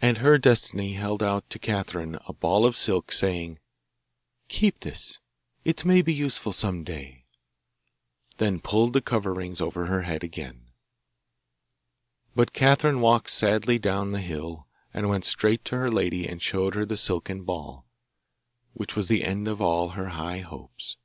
And her Destiny held out to Catherine a ball of silk, saying, 'Keep this it may be useful some day;' then pulled the coverings over her head again. But Catherine walked sadly down the hill, and went straight to her lady and showed her the silken ball, which was the end of all her high hopes.